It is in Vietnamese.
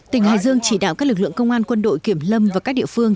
tỉnh hải dương chỉ đạo các lực lượng công an quân đội kiểm lâm và các địa phương